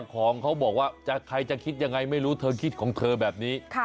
ของเขาบอกว่าใครจะคิดยังไงไม่รู้เธอคิดของเธอแบบนี้